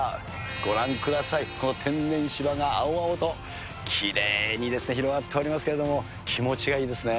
ご覧ください、この天然芝が青々と、きれいに広がっておりますけれども、気持ちがいいですね。